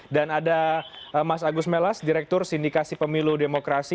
dan ada mas agus melas direktur sindikasi pemilu demokrasi